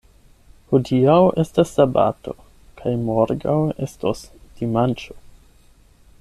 Hodiaŭ estas sabato, kaj morgaŭ estos dimanĉo.